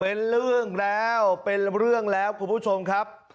เป็นเรื่องแล้วเป็นเรื่องแล้วคุณผู้ชมครับ